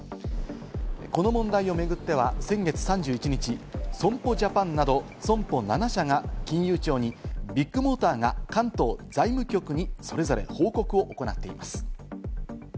この問題を巡っては先月３１日、損保ジャパンなど損保７社が金融庁にビッグモーターが関東財務局にそれぞれ報告を行っています。